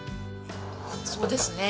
そうですね。